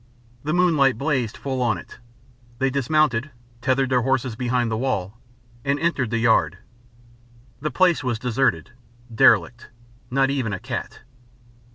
The moonlight blazed full on it. They dismounted, tethered their horses behind the wall, and entered the yard. The place was deserted, derelict not even a cat.